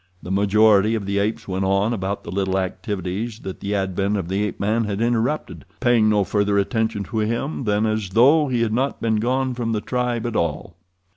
The majority of the apes went on about the little activities that the advent of the ape man had interrupted, paying no further attention to him than as though he had not been gone from the tribe at all.